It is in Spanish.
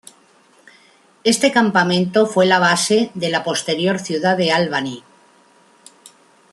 Este campamento fue la base de la posterior ciudad de Albany.